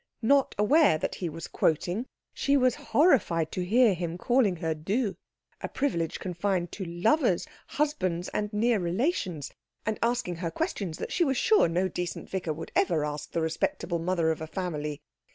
Not aware that he was quoting, she was horrified to hear him calling her Du, a privilege confined to lovers, husbands, and near relations, and asking her questions that she was sure no decent vicar would ever ask the respectable mother of a family.